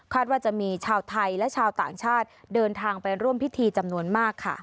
ขอบคุณครับ